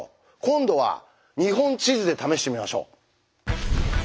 今度は日本地図で試してみましょう。